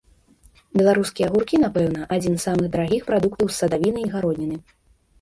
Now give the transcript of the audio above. Беларускія агуркі, напэўна, адзін з самых дарагіх прадуктаў з садавіны і гародніны.